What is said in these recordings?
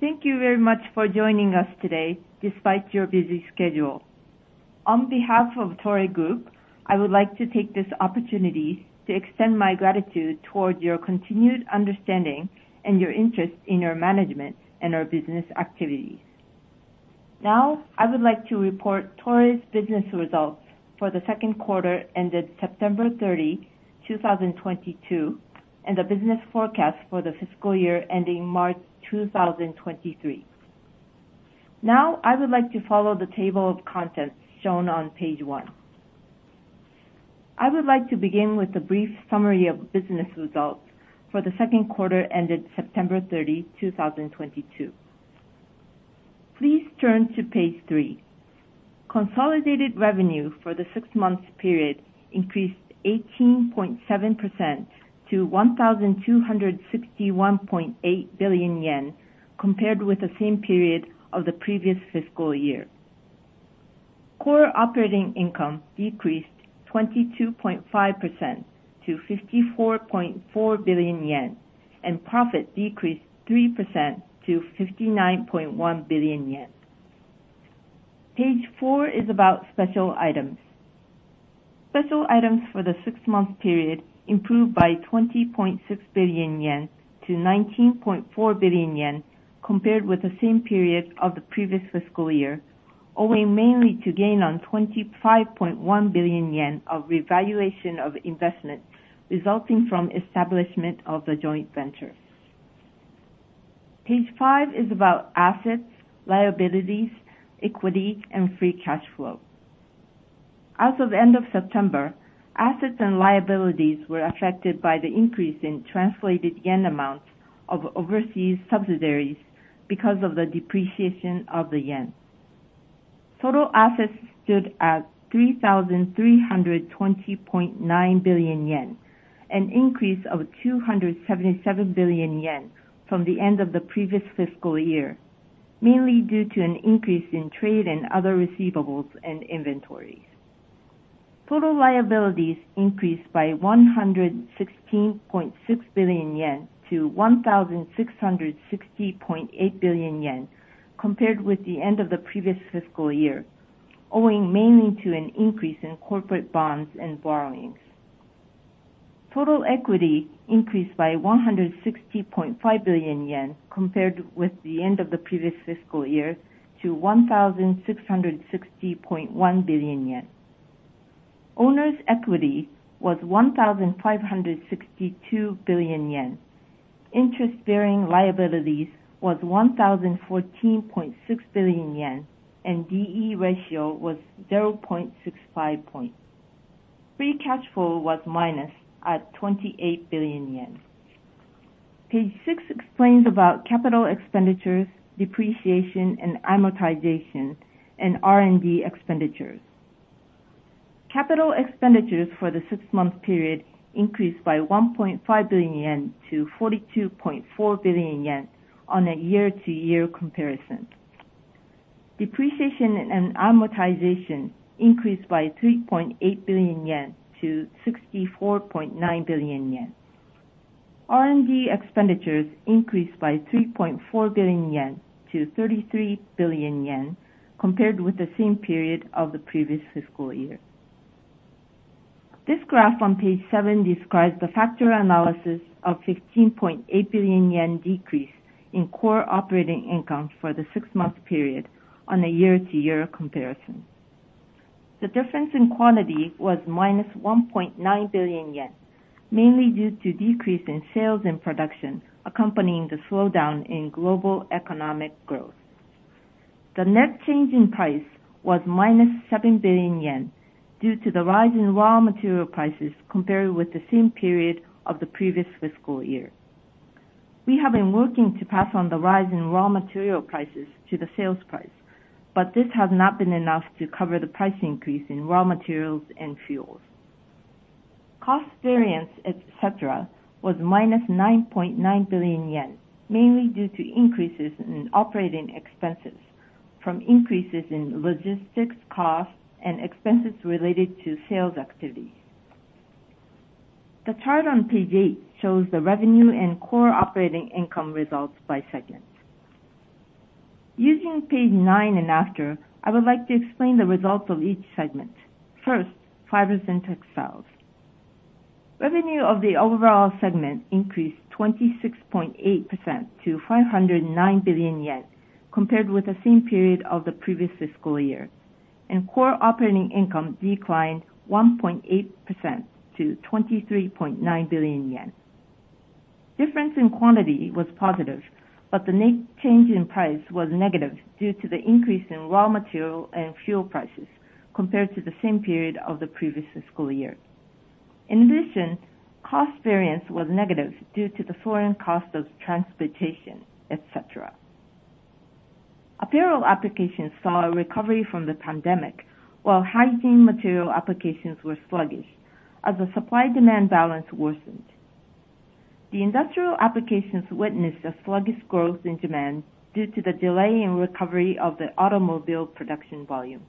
Thank you very much for joining us today despite your busy schedule. On behalf of Toray Group, I would like to take this opportunity to extend my gratitude toward your continued understanding and your interest in our management and our business activities. Now, I would like to report Toray's business results for the second quarter ended September 30, 2022, and the business forecast for the fiscal year ending March 2023. Now, I would like to follow the table of contents shown on page one. I would like to begin with a brief summary of business results for the second quarter ended September 30, 2022. Please turn to page three. Consolidated revenue for the six months period increased 18.7% to 1,261.8 billion yen, compared with the same period of the previous fiscal year. Core operating income decreased 22.5% to 54.4 billion yen, and profit decreased 3% to 59.1 billion yen. Page four is about special items. Special items for the six-month period improved by 20.6 billion yen to 19.4 billion yen compared with the same period of the previous fiscal year, owing mainly to gain on 25.1 billion yen of revaluation of investment resulting from establishment of the joint venture. Page five is about assets, liabilities, equity, and Free cash flow. As of end of September, assets and liabilities were affected by the increase in translated yen amounts of overseas subsidiaries because of the depreciation of the yen. Total assets stood at 3,320.9 billion yen, an increase of 277 billion yen from the end of the previous fiscal year, mainly due to an increase in trade and other receivables and inventories. Total liabilities increased by 116.6 billion yen to 1,660.8 billion yen compared with the end of the previous fiscal year, owing mainly to an increase in corporate bonds and borrowings. Total equity increased by 160.5 billion yen compared with the end of the previous fiscal year to 1,660.1 billion yen. Owner's equity was 1,562 billion yen. Interest-bearing liabilities was 1,014.6 billion yen, and D/E ratio was 0.65 points. Free cash flow was minus 28 billion yen. Page six explains about capital expenditures, depreciation and amortization, and R&D expenditures. Capital expenditures for the six-month period increased by 1.5 billion yen to 42.4 billion yen on a year-to-year comparison. Depreciation and amortization increased by 3.8 billion yen to 64.9 billion yen. R&D expenditures increased by 3.4 billion yen to 33 billion yen compared with the same period of the previous fiscal year. This graph on page seven describes the factor analysis of 15.8 billion yen decrease in Core operating income for the six-month period on a year-to-year comparison. The difference in quantity was minus 1.9 billion yen, mainly due to decrease in sales and production accompanying the slowdown in global economic growth. The net change in price was minus 7 billion yen due to the rise in raw material prices compared with the same period of the previous fiscal year. We have been working to pass on the rise in raw material prices to the sales price, but this has not been enough to cover the price increase in raw materials and fuels. Cost variance, et cetera, was minus 9.9 billion yen, mainly due to increases in operating expenses from increases in logistics costs and expenses related to sales activities. The chart on page eight shows the revenue and Core operating income results by segment. Using page nine and after, I would like to explain the results of each segment. First, Fibers & Textiles. Revenue of the overall segment increased 26.8% to 509 billion yen compared with the same period of the previous fiscal year. Core operating income declined 1.8% to 23.9 billion yen. Difference in quantity was positive, the net change in price was negative due to the increase in raw material and fuel prices compared to the same period of the previous fiscal year. In addition, cost variance was negative due to the foreign cost of transportation, et cetera. Apparel applications saw a recovery from the pandemic while hygiene material applications were sluggish as the supply-demand balance worsened. The industrial applications witnessed a sluggish growth in demand due to the delay in recovery of the automobile production volume.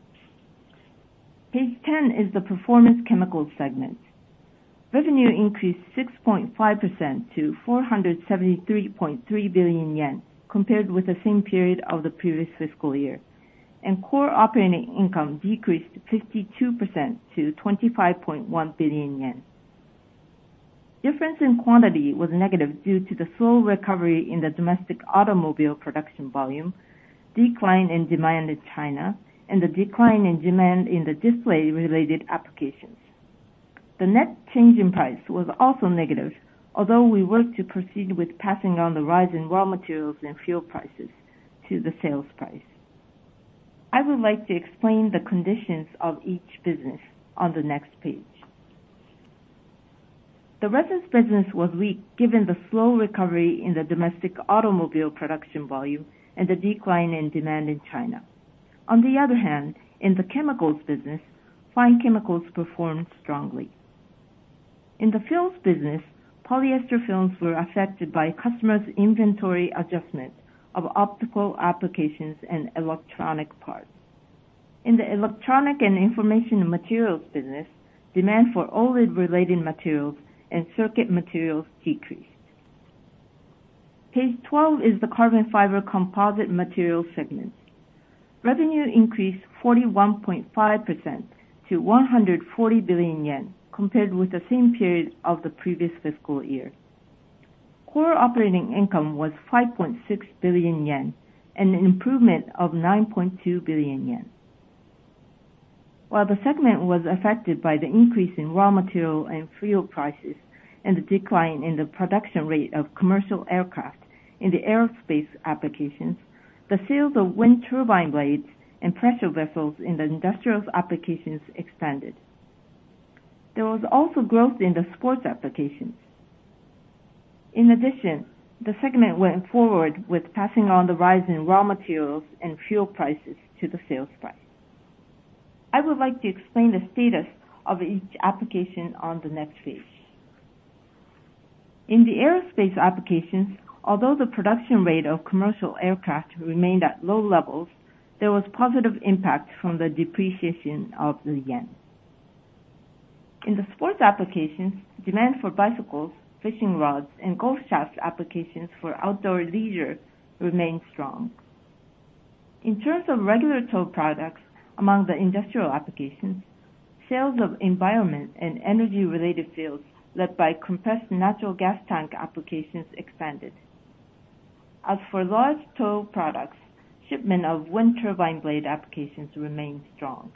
Page 10 is the Performance Chemicals segment. Revenue increased 6.5% to 473.3 billion yen compared with the same period of the previous fiscal year. Core operating income decreased 52% to 25.1 billion yen. Difference in quantity was negative due to the slow recovery in the domestic automobile production volume, decline in demand in China, and the decline in demand in the display-related applications. The net change in price was also negative, although we worked to proceed with passing on the rise in raw materials and fuel prices to the sales price. I would like to explain the conditions of each business on the next page. The resins business was weak given the slow recovery in the domestic automobile production volume and the decline in demand in China. On the other hand, in the chemicals business, fine chemicals performed strongly. In the films business, polyester films were affected by customers' inventory adjustment of optical applications and electronic parts. In the electronic and information materials business, demand for OLED-related materials and circuit materials decreased. Page 12 is the Carbon Fiber Composite Materials segment. Revenue increased 41.5% to 140 billion yen compared with the same period of the previous fiscal year. Core operating income was 5.6 billion yen, an improvement of 9.2 billion yen. While the segment was affected by the increase in raw material and fuel prices and the decline in the production rate of commercial aircraft in the aerospace applications, the sales of wind turbine blades and pressure vessels in the industrial applications expanded. There was also growth in the sports applications. In addition, the segment went forward with passing on the rise in raw materials and fuel prices to the sales price. I would like to explain the status of each application on the next page. In the aerospace applications, although the production rate of commercial aircraft remained at low levels, there was positive impact from the depreciation of the yen. In the sports applications, demand for bicycles, fishing rods, and golf shafts applications for outdoor leisure remained strong. In terms of Regular tow products among the industrial applications, sales of environment and energy-related fields led by compressed natural gas tank applications expanded. As for large tow products, shipment of wind turbine blade applications remained strong.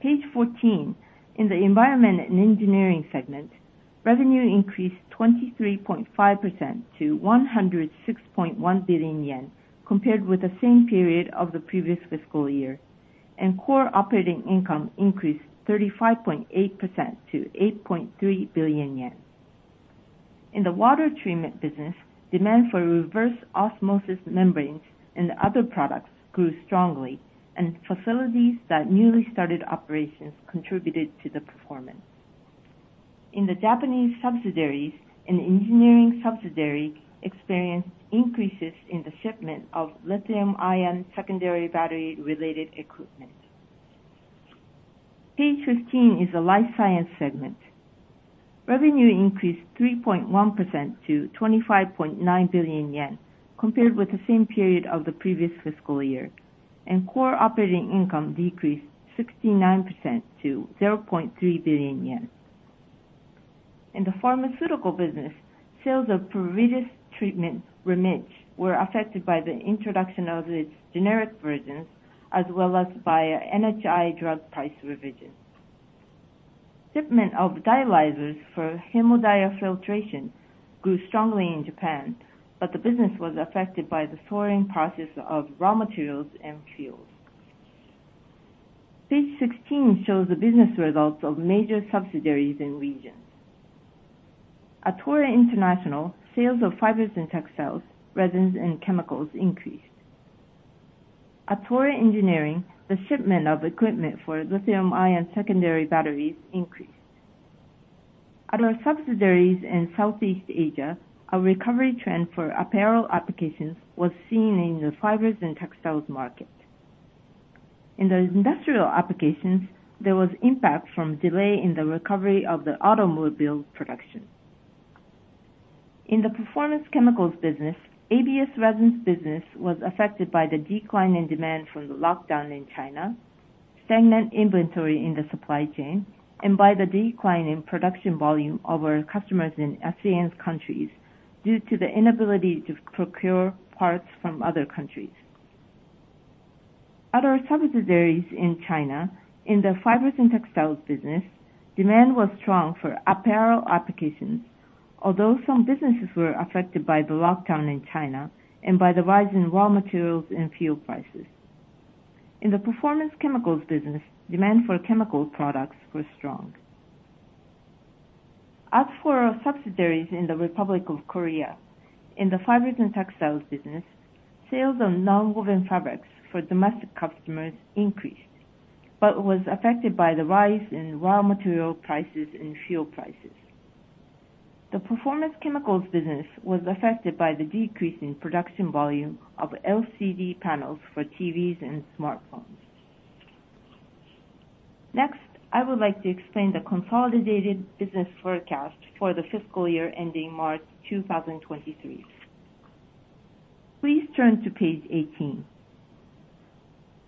Page 14, in the Environment & Engineering segment, revenue increased 23.5% to 106.1 billion yen compared with the same period of the previous fiscal year. Core operating income increased 35.8% to 8.3 billion yen. In the water treatment business, demand for reverse osmosis membranes and other products grew strongly, and facilities that newly started operations contributed to the performance. In the Japanese subsidiaries, an engineering subsidiary experienced increases in the shipment of lithium-ion secondary battery-related equipment. Page 15 is the Life science segment. Revenue increased 3.1% to 25.9 billion yen compared with the same period of the previous fiscal year. Core operating income decreased 69% to 0.3 billion yen. In the pharmaceutical business, sales of PROVIGIL treatment, REMICADE, were affected by the introduction of its generic versions as well as by NHI drug price revision. Shipment of dialyzers for Hemodiafiltration grew strongly in Japan, but the business was affected by the soaring prices of raw materials and fuels. Page 16 shows the business results of major subsidiaries and regions. At Toray International, sales of Fibers & Textiles, resins, and chemicals increased. At Toray Engineering, the shipment of equipment for lithium-ion secondary batteries increased. At our subsidiaries in Southeast Asia, a recovery trend for apparel applications was seen in the Fibers & Textiles market. In the industrial applications, there was impact from delay in the recovery of the automobile production. In the Performance Chemicals business, ABS resins business was affected by the decline in demand from the lockdown in China, stagnant inventory in the supply chain, and by the decline in production volume of our customers in ASEAN countries due to the inability to procure parts from other countries. At our subsidiaries in China, in the Fibers & Textiles business, demand was strong for apparel applications, although some businesses were affected by the lockdown in China and by the rise in raw materials and fuel prices. In the Performance Chemicals business, demand for chemical products was strong. As for our subsidiaries in the Republic of Korea, in the Fibers & Textiles business, sales of nonwoven fabrics for domestic customers increased, but was affected by the rise in raw material prices and fuel prices. The Performance Chemicals business was affected by the decrease in production volume of LCD panels for TVs and smartphones. I would like to explain the consolidated business forecast for the fiscal year ending March 2023. Please turn to page 18.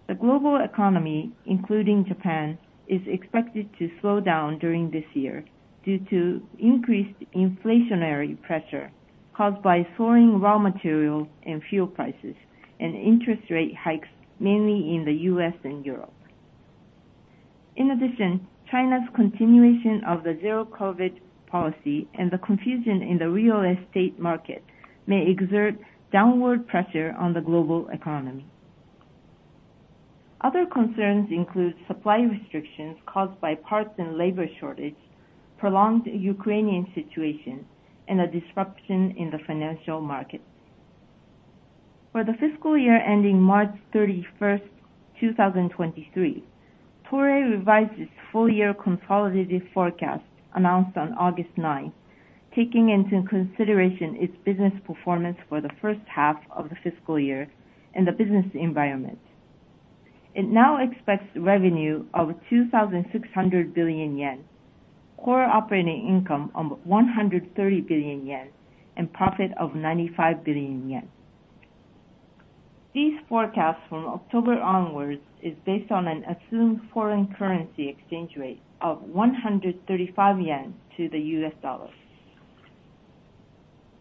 The global economy, including Japan, is expected to slow down during this year due to increased inflationary pressure caused by soaring raw material and fuel prices and interest rate hikes, mainly in the U.S. and Europe. In addition, China's continuation of the zero-COVID policy and the confusion in the real estate market may exert downward pressure on the global economy. Other concerns include supply restrictions caused by parts and labor shortage, prolonged Ukrainian situation, and a disruption in the financial markets. For the fiscal year ending March 31st, 2023, Toray revised its full-year consolidated forecast announced on August 9th, taking into consideration its business performance for the first half of the fiscal year and the business environment. It now expects revenue of 2,600 billion yen, Core operating income of 130 billion yen, and profit of 95 billion yen. These forecasts from October onwards is based on an assumed foreign currency exchange rate of 135 yen to the U.S. dollar.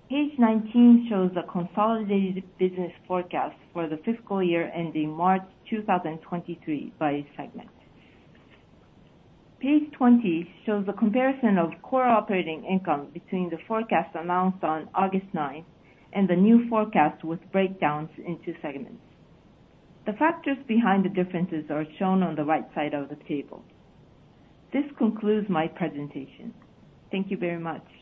Page 19 shows a consolidated business forecast for the fiscal year ending March 2023 by segment. Page 20 shows a comparison of Core operating income between the forecast announced on August 9th and the new forecast with breakdowns into segments. The factors behind the differences are shown on the right side of the table. This concludes my presentation. Thank you very much.